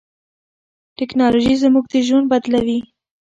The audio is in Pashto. ټیکنالوژي زموږ ژوند بدلوي.